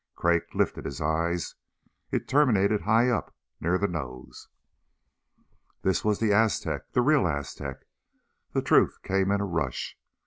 Crag lifted his eyes. It terminated high up, near the nose. This was the Aztec! The real Aztec! The truth came in a rush.